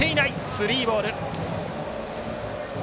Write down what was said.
スリーボール。